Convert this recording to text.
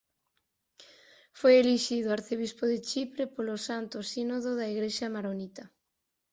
Foi elixido arcebispo de Chipre polo Santo Sínodo da Igrexa Maronita.